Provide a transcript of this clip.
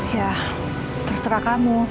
ya terserah kamu